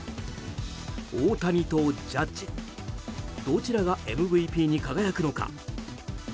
大谷とジャッジどちらがＭＶＰに輝くのか。